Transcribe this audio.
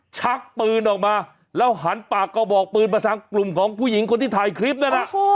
ชักปืนออกมาแล้วหันปากกระบอกปืนมาทางกลุ่มของผู้หญิงคนที่ถ่ายคลิปนั่นน่ะ